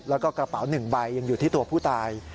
แล้วก็กระเป๋า๑ใบยังอยู่ที่ตัวผู้ตาย